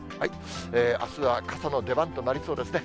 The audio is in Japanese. あすは傘の出番となりそうですね。